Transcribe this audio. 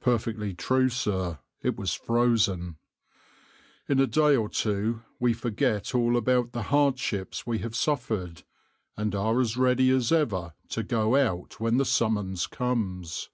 Perfectly true, sir, it was frozen. In a day or two we forget all about the hardships we have suffered, and are as ready as ever to go out when the summons comes.